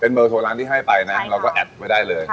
เบอร์โทรร้านที่ให้ไปนะเราก็แอดไว้ได้เลย